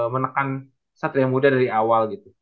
menekan satria muda dari awal gitu